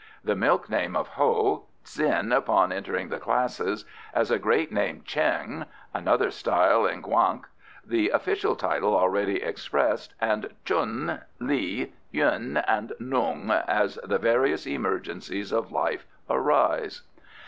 "The milk name of Ho; Tsin upon entering the Classes; as a Great Name Cheng; another style in Quank; the official title already expressed, and T'chun, Li, Yuen and Nung as the various emergencies of life arise."